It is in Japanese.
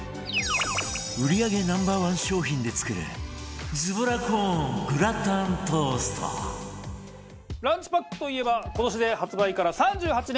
売り上げ Ｎｏ．１ 商品で作るランチパックといえば今年で発売から３８年目で。